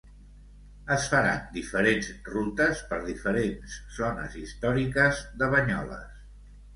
Es faran diferents rutes per diferents zones històriques de Banyoles.